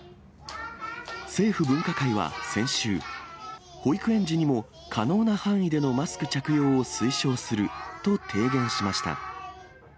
政府分科会は先週、保育園児にも、可能な範囲でのマスク着用を推奨すると提言しました。